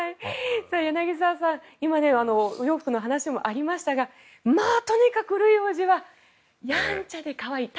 柳澤さん、今お洋服のお話もありましたがとにかくルイ王子はやんちゃで可愛い。